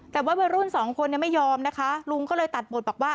แต่ว่าวัยรุ่นสองคนไม่ยอมนะคะลุงก็เลยตัดบทบอกว่า